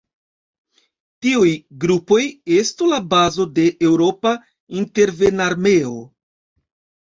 Tiuj grupoj estu la bazo de eŭropa intervenarmeo.